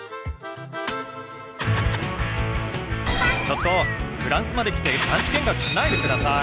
ちょっとフランスまで来て団地見学しないで下さい。